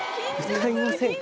「歌いませんか？」